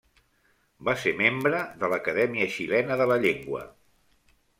Va ser membre de l'Acadèmia Xilena de la Llengua.